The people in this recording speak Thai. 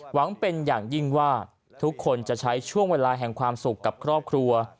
หวังเป็นอย่างยิ่งว่าทุกคนจะใช้ช่วงเวลาแห่งความสุขกับครอบครัว